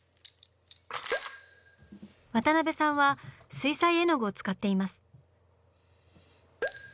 渡辺さんは水彩絵の具を使っています。